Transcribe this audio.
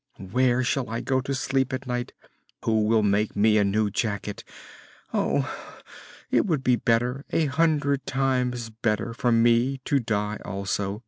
Where shall I go to sleep at night? Who will make me a new jacket? Oh, it would be better, a hundred times better, for me to die also!